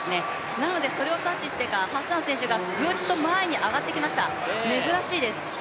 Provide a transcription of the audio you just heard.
なのでそれを察知してかハッサン選手がグッと前に上がってきました、珍しいです。